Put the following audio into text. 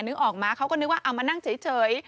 นึกออกมาเขาก็นึกว่าเอามานั่งเฉย